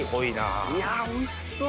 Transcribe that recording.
いやおいしそう！